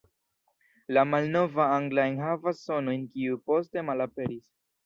La malnova angla enhavas sonojn kiuj poste malaperis.